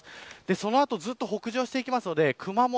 その後、ずっと北上していくので熊本